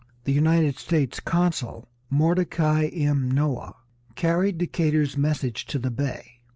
The United States consul, Mordecai M. Noah, carried Decatur's message to the Bey.